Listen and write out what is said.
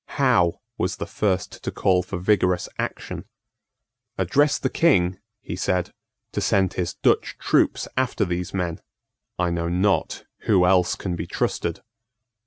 Howe was the first to call for vigorous action. "Address the King," he said, "to send his Dutch troops after these men. I know not who else can be trusted."